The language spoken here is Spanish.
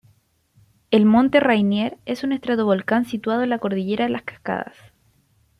El monte Rainier es un estratovolcán situado en la Cordillera de las Cascadas.